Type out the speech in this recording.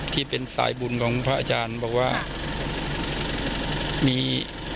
ที่เป็นสายบุญของพระอาจารย์บอกว่ามี